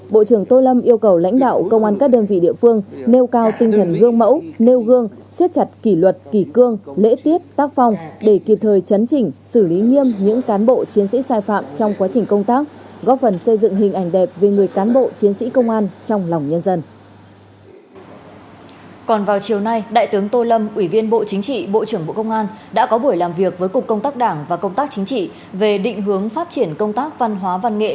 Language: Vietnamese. bộ trưởng cũng lưu ý công an các đơn vị địa phương tập trung các giải pháp quản lý nhà nước về an ninh trật tự tăng cường các giải pháp phòng trái trái và cứu nạn cứu hộ